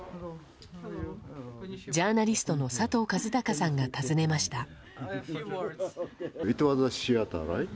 ジャーナリストの佐藤和孝さんが訪ねました。